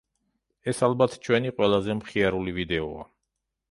ეს, ალბათ, ჩვენი ყველაზე მხიარული ვიდეოა.